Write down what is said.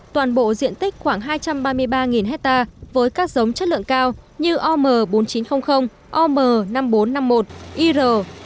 toàn bộ diện tích khoảng hai trăm ba mươi ba hectare với các giống chất lượng cao như om bốn nghìn chín trăm linh om năm nghìn bốn trăm năm mươi một ir năm mươi nghìn bốn trăm linh bốn